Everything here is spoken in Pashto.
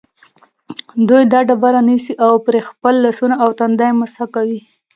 دوی دا ډبره نیسي او پرې خپل لاسونه او تندی مسح کوي.